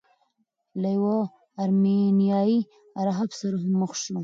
له یوه ارمینیايي راهب سره هم مخ شو.